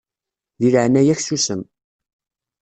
Di leɛnaya-k susem.